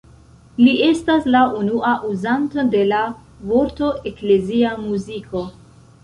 Li estas la unua uzanto de la vorto „eklezia muziko“.